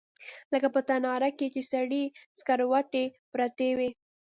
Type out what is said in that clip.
لکه په تناره کښې چې سرې سکروټې پرتې وي.